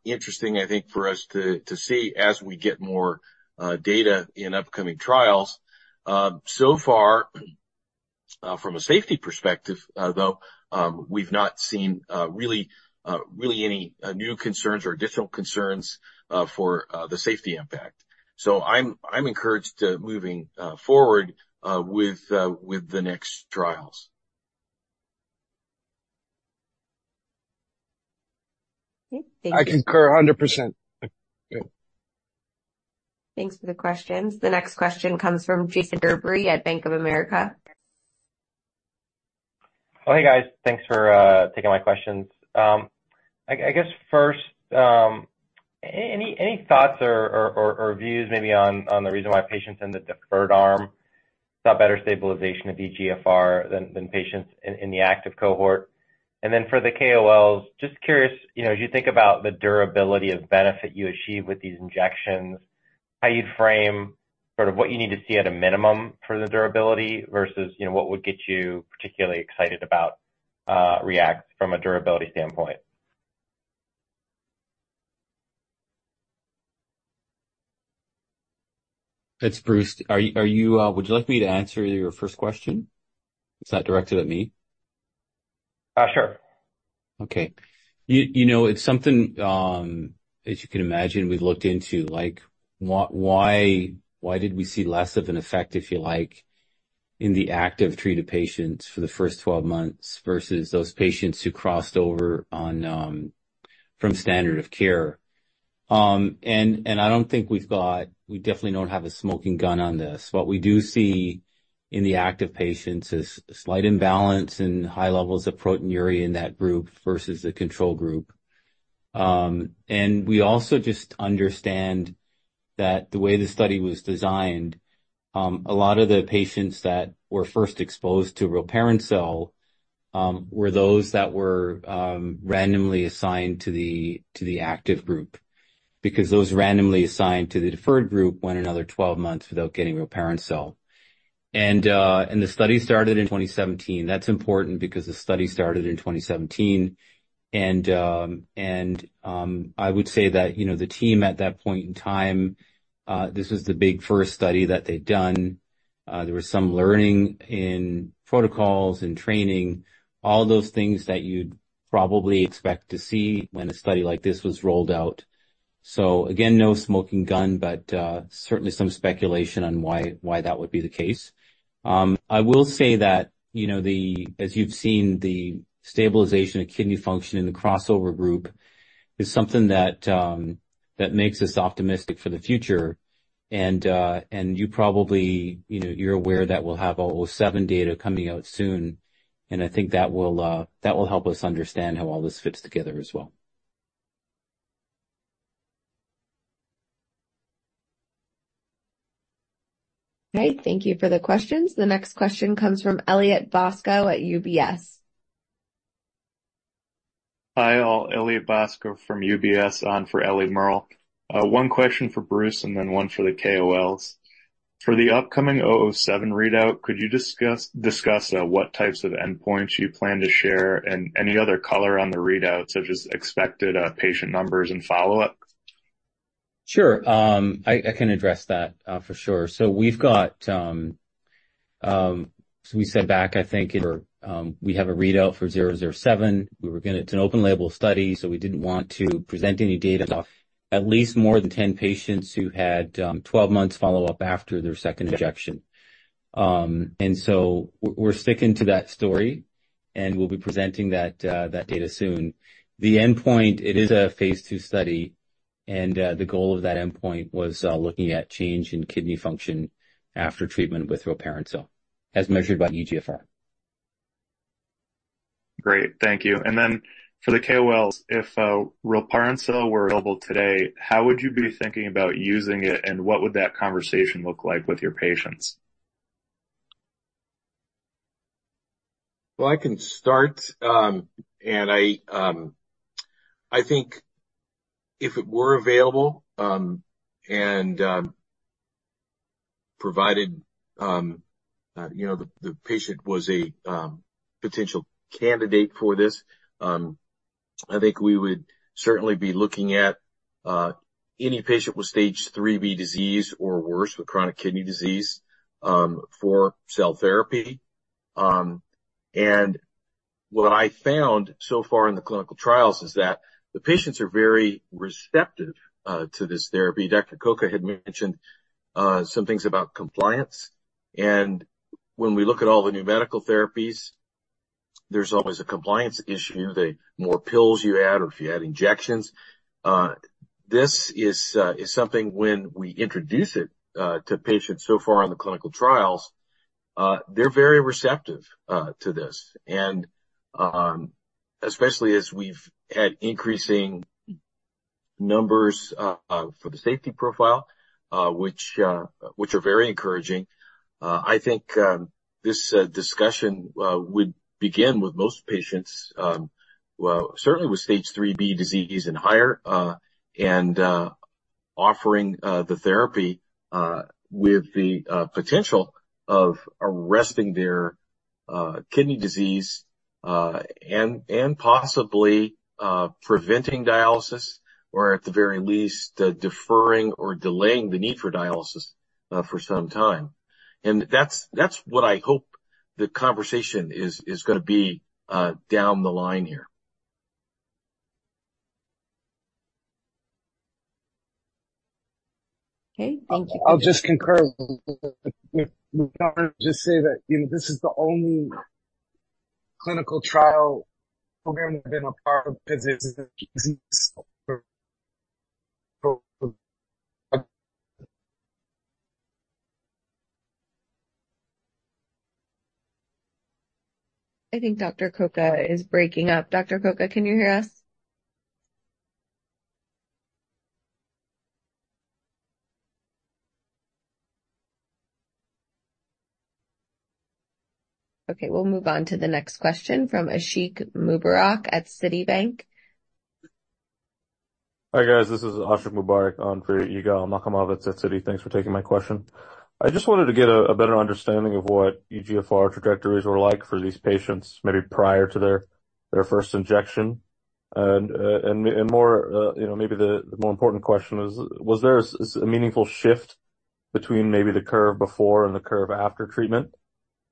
E: interesting, I think, for us to see as we get more data in upcoming trials. So far from a safety perspective though we've not seen really any new concerns or additional concerns for the safety impact. So I'm encouraged moving forward with the next trials.
H: Okay, thank you.
D: I concur 100%.
A: Thanks for the questions. The next question comes from Jason Gerberry at Bank of America.
I: Oh, hey, guys. Thanks for taking my questions. I guess first, any thoughts or views maybe on the reason why patients in the deferred arm saw better stabilization of eGFR than patients in the active cohort? And then for the KOLs, just curious, you know, as you think about the durability of benefit you achieve with these injections, how you'd frame sort of what you need to see at a minimum for the durability versus, you know, what would get you particularly excited about REACT from a durability standpoint?
C: It's Bruce. Are you, are you... Would you like me to answer your first question? Is that directed at me?
I: Uh, sure.
C: Okay. You know, it's something, as you can imagine, we've looked into, like, why, why, why did we see less of an effect, if you like, in the active treated patients for the first 12 months versus those patients who crossed over on, from standard of care? And I don't think we've got—we definitely don't have a smoking gun on this. What we do see in the active patients is a slight imbalance in high levels of proteinuria in that group versus the control group. And we also just understand that the way the study was designed, a lot of the patients that were first exposed to rilparencel were those that were randomly assigned to the active group. Because those randomly assigned to the deferred group went another 12 months without getting rilparencel. The study started in 2017. That's important because the study started in 2017, and I would say that, you know, the team at that point in time, this was the big first study that they'd done. There was some learning in protocols and training, all those things that you'd probably expect to see when a study like this was rolled out. So again, no smoking gun, but certainly some speculation on why, why that would be the case. I will say that, you know, the, as you've seen, the stabilization of kidney function in the crossover group is something that that makes us optimistic for the future. You probably, you know, you're aware that we'll have 007 data coming out soon, and I think that will help us understand how all this fits together as well.
A: Great. Thank you for the questions. The next question comes from Elliott Bosco at UBS.
J: Hi, all. Elliott Bosco from UBS on for Ellie Merle. One question for Bruce and then one for the KOLs. For the upcoming 007 readout, could you discuss what types of endpoints you plan to share and any other color on the readout, such as expected patient numbers and follow-up?
C: Sure. I, I can address that, for sure. So we've got, so we said back, I think in, we have a readout for 007. We were gonna—It's an open label study, so we didn't want to present any data off at least more than 10 patients who had, 12 months follow-up after their second injection. And so we're, we're sticking to that story, and we'll be presenting that, that data soon. The endpoint, it is a phase II study, and, the goal of that endpoint was, looking at change in kidney function after treatment with rilparencel, as measured by eGFR.
J: Great, thank you. And then for the KOLs, if rilparencel were available today, how would you be thinking about using it, and what would that conversation look like with your patients?
E: Well, I can start, and I think if it were available, and provided, you know, the patient was a potential candidate for this, I think we would certainly be looking at any patient with Stage II-B disease or worse, with chronic kidney disease, for cell therapy. And what I found so far in the clinical trials is that the patients are very receptive to this therapy. Dr. Coca had mentioned some things about compliance, and when we look at all the new medical therapies, there's always a compliance issue, the more pills you add or if you add injections. This is something when we introduce it to patients so far in the clinical trials, they're very receptive to this. Especially as we've had increasing numbers for the safety profile, which are very encouraging. I think this discussion would begin with most patients, well, certainly with stage 3B disease and higher, and offering the therapy with the potential of arresting their kidney disease, and possibly preventing dialysis, or at the very least, deferring or delaying the need for dialysis for some time. And that's what I hope the conversation is gonna be down the line here.
J: Okay, thank you.
D: I'll just concur, just say that, you know, this is the only clinical trial program I've been a part of that is.
A: I think Dr. Coca is breaking up. Dr. Coca, can you hear us? Okay, we'll move on to the next question from Ashiq Mubarack at Citibank.
K: Hi, guys, this is Ashiq Mubarack on for Yigal Nochomovitz at Citibank. Thanks for taking my question. I just wanted to get a better understanding of what eGFR trajectories were like for these patients, maybe prior to their first injection. And more, you know, maybe the more important question is, was there a meaningful shift between maybe the curve before and the curve after treatment?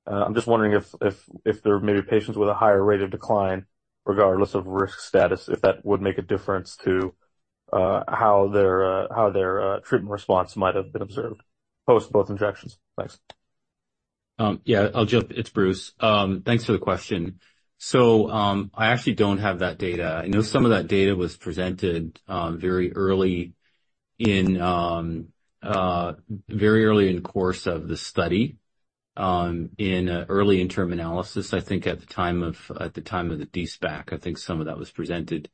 K: I'm just wondering if there may be patients with a higher rate of decline, regardless of risk status, if that would make a difference to how their treatment response might have been observed post both injections. Thanks.
C: Yeah, I'll jump... It's Bruce. Thanks for the question. So, I actually don't have that data. I know some of that data was presented very early in the course of the study in early interim analysis. I think at the time of the de-SPAC, I think some of that was presented.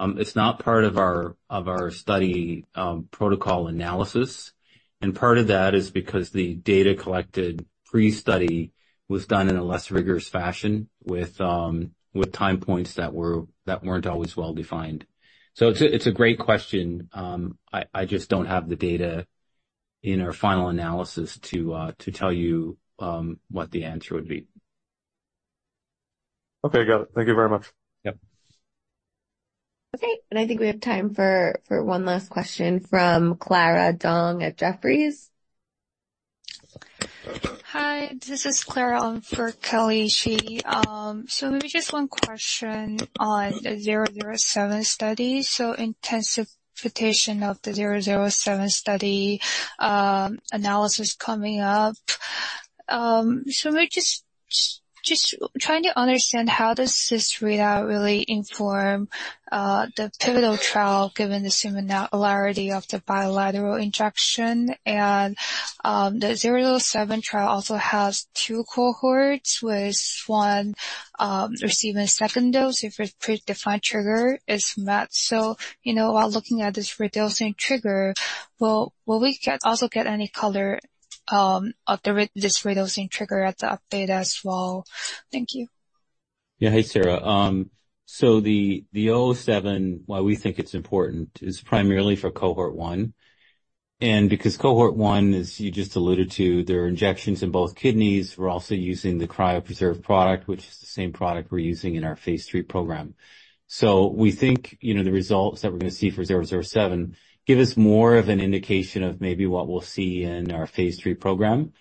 C: It's not part of our study protocol analysis, and part of that is because the data collected pre-study was done in a less rigorous fashion with time points that weren't always well-defined. So it's a great question. I just don't have the data in our final analysis to tell you what the answer would be.
K: Okay, got it. Thank you very much.
C: Yep.
A: Okay, and I think we have time for one last question from Clara Dong at Jefferies.
L: Hi, this is Clara Dong for Kelly Shi. So maybe just one question on the REGEN-007 study. So intensification of the REGEN-007 study analysis coming up. So we're just, just trying to understand how does this readout really inform the pivotal trial, given the similarity of the bilateral injection? And the REGEN-007 trial also has two cohorts, with one receiving a second dose if a pre-defined trigger is met. So, you know, while looking at this redosing trigger, will we also get any color of this redosing trigger at the update as well? Thank you.
C: Yeah. Hey, Clara. So the 007, why we think it's important is primarily for cohort one, and because cohort one, as you just alluded to, there are injections in both kidneys. We're also using the cryopreserved product, which is the same product we're phase III program. so we think, you know, the results that we're gonna see for 007 give us more of an indication of maybe what we'll phase III program.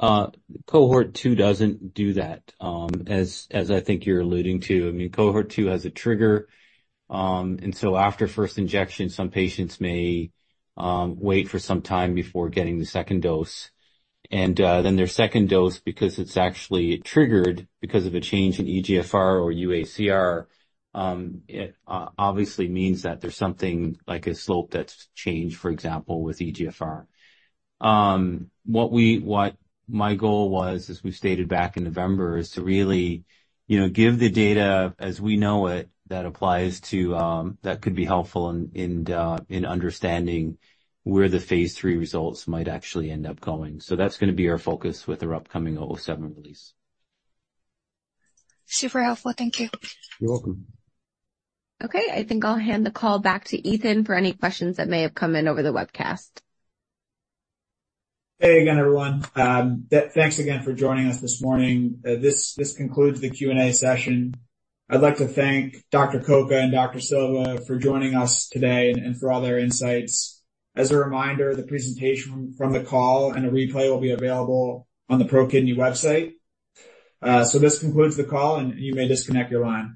C: cohort two doesn't do that, as I think you're alluding to. I mean, cohort two has a trigger, and so after first injection, some patients may wait for some time before getting the second dose. Then their second dose, because it's actually triggered because of a change in eGFR or UACR, it obviously means that there's something like a slope that's changed, for example, with eGFR. What my goal was, as we stated back in November, is to really, you know, give the data as we know it, that applies to... That could be helpful in, in, in understanding where the phase three results might actually end up going. So that's gonna be our focus with our upcoming zero seven release.
L: Super helpful. Thank you.
C: You're welcome.
A: Okay. I think I'll hand the call back to Ethan for any questions that may have come in over the webcast.
B: Hey again, everyone. Thanks again for joining us this morning. This concludes the Q&A session. I'd like to thank Dr. Coca and Dr. Silva for joining us today and for all their insights. As a reminder, the presentation from the call and a replay will be available on the ProKidney website. So this concludes the call, and you may disconnect your line.